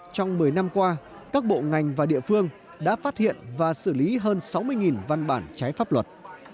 trong một mươi năm qua các bộ ngành và địa phương đã phát hiện và xử lý hơn sáu mươi văn bản trái pháp luật